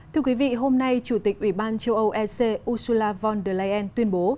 thưa quý vị hôm nay chủ tịch ủy ban châu âu ec ursula von der leyen tuyên bố